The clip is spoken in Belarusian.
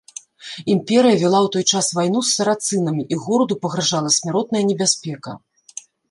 Імперыя вяла ў той час вайну з сарацынамі, і гораду пагражала смяротная небяспека.